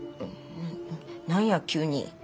な何や急に。